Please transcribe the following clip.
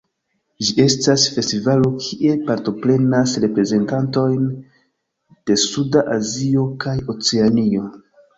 Ĝi estas festivalo kie partoprenas reprezentantojn de suda Azio kaj Oceanio.